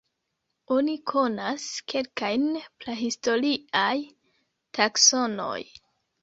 Oni konas kelkajn prahistoriaj taksonoj.